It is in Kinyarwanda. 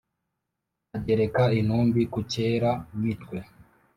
agereka intumbi ku cyera-mitwe,